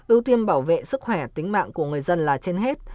ưu tiên bảo vệ sức khỏe tính mạng của người dân là trên hết